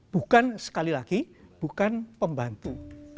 bukan sekali lagi bukan pembantu